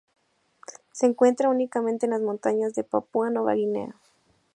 Se encuentra únicamente en las montañas de Papua Nueva Guinea.